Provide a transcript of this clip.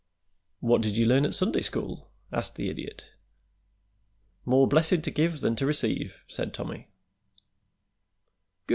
"What did you learn at Sunday school?" asked the Idiot. "More blessed to give than to receive," said Tommy. "Good!"